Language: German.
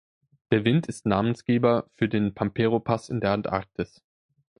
Der Wind ist Namensgeber für den Pampero-Pass in der Antarktis